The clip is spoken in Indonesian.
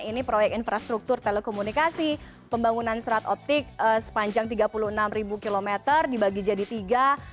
ini proyek infrastruktur telekomunikasi pembangunan serat optik sepanjang tiga puluh enam km dibagi jadi tiga